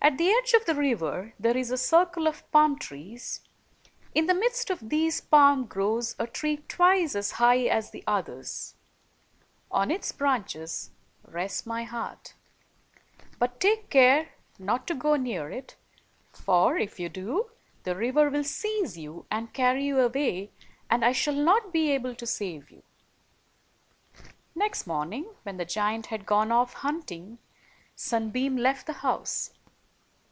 "At the edge of the river there is a circle of palm trees ; in the midst of these palms grows a tree twice as high as the others; on its branches rests my heart. But take care not to go near it, for, if you do, the river will seize you and carry you away, and I shall not be able to save you." Next morning, when the giant had gone off hunting, Sunbeam left the house.